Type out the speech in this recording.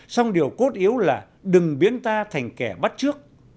song điều cốt yếu là đừng biến ta thành kẻ bắt trước